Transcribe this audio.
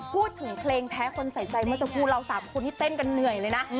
พูดถึงเครงแพ้คนใส่ใจมาเจ้าครู่เรา๔๗คนที่เต้นกันเหนื่อยเลยนะ